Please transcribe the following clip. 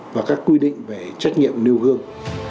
và các quy định về trách nhiệm nêu gương